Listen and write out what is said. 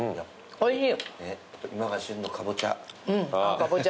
おいしい。